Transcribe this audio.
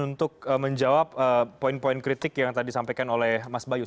untuk menjawab poin poin kritik yang tadi disampaikan oleh mas bayu